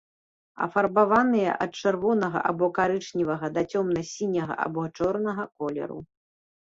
Афарбаваныя ад чырвонага або карычневага да цёмна-сіняга або чорнага колеру.